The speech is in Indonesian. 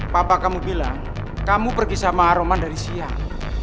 bapak kamu bilang kamu pergi sama roman dari siang